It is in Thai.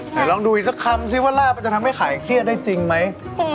ไหนลองดูอีกสักคำสิว่าร่าไปจะทำให้ขายเครียดได้จริงไหม